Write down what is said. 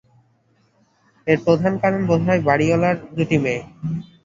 এর প্রধান কারণ বোধহয় বাড়িঅলার দুটি মেয়ে।